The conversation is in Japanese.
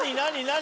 何？